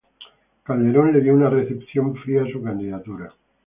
Calderón le dio una recepción fría a su candidatura.